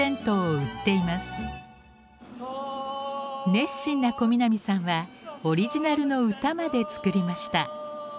熱心な小南さんはオリジナルの歌まで作りました。